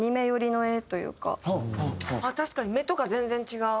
確かに目とか全然違う。